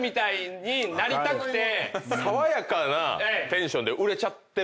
爽やかなテンションで売れちゃってるから。